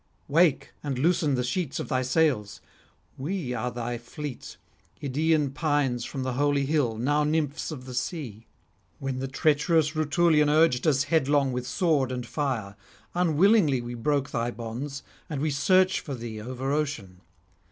wake, and loosen the sheets of thy sails. We are thy fleet, Idaean pines from the holy hill, now nymphs of the sea. When the treacherous Rutulian urged us headlong with sword and fire, unwillingly we broke thy bonds, and we search for thee over ocean.